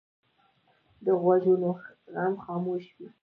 د غوږونو غم خاموش وي